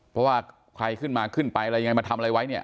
เพราะว่าใครขึ้นมาขึ้นไปอะไรยังไงมาทำอะไรไว้เนี่ย